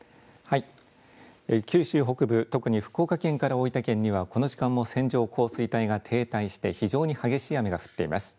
九州北部、特に福岡県から大分県にはこの時間も線状降水帯が停滞して非常に激しい雨が降っています。